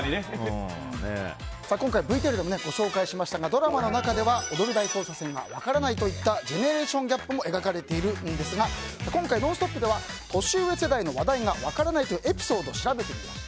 今回ＶＴＲでもご紹介しましたがドラマの中では「踊る大捜査線」が分からないといったジェネレーションギャップも描かれているんですが今回「ノンストップ！」では年上世代の話題が分からないというエピソードを調べてみました。